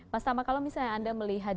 mas tama kalau misalnya anda melihat